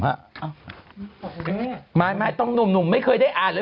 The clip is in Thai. ไม่ต้องหนุ่มไม่เคยได้อ่านเลย